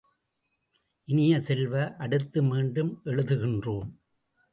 இனிய செல்வ, அடுத்து மீண்டும் எழுதுகின்றோம்.